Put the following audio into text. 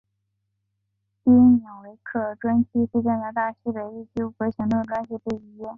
因纽维克专区是加拿大西北地区五个行政专区之一。